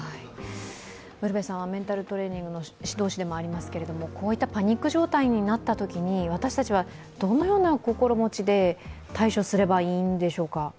ウルヴェさんはメンタルトレーニングの指導士でもありますけれども、こういったパニック状態になったときに私たちはどのような心持ちで対処すればいいんでしょうか？